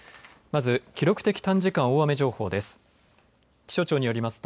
まず、記録的短時間大雨情報です。